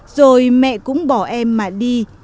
rồi mẹ cũng bỏ em mà đi